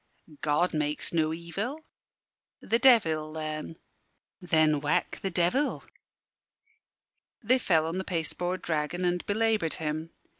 "God makes no evil." "The Devil, then." "Then whack the Devil." They fell on the pasteboard dragon and belaboured him.